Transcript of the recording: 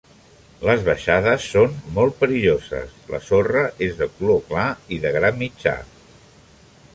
Les baixades són molt perilloses, la sorra és de color clar i de gra mitjà.